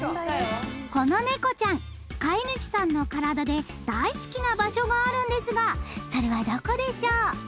このネコちゃん飼い主さんの体で大好きな場所があるんですがそれはどこでしょう？